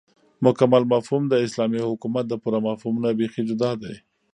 مكمل مفهوم داسلامي حكومت دپوره مفهوم نه بيخي جدا دى